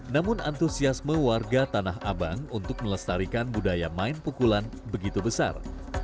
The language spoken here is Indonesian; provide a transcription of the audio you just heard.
namun antusiasme warga tanah abang untuk melestarikan budaya main pukulan begitu besar